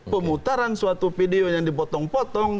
pemutaran suatu video yang dipotong potong